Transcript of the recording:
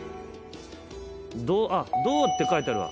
あっ「銅」って書いてあるわ。